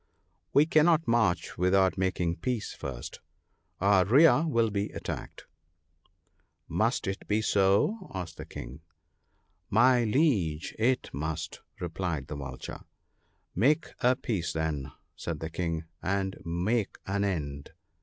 " We cannot march without making peace first ; our rear will be attacked.' * Must it be so ?' asked the King. 140 THE BOOK OF GOOD COUNSELS. 'My Liege, it must,' replied the Vulture. ' Make a peace then/ said the King, • and make an end.'